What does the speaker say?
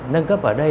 nâng cấp ở đây